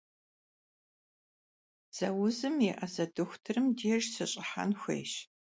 Dze vuzım yê'eze doxutırım dêjj sış'ıhen xuêyş.